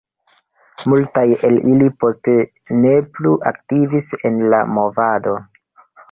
Multaj el ili poste ne plu aktivis en la movado.